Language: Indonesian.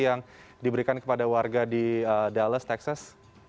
yang diberikan kepada warga di dalles texas